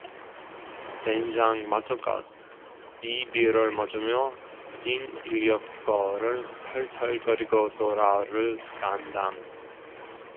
젠장맞을 것, 이 비를 맞으며 빈 인력거를 털털거리고 돌아를 간담.